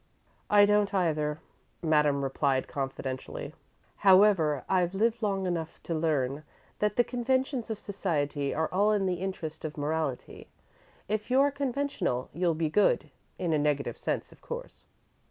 "I don't either," Madame replied, confidentially. "However, I've lived long enough to learn that the conventions of society are all in the interests of morality. If you're conventional, you'll be good, in a negative sense, of course."